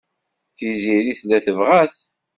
Tiziri tella tebɣa-t.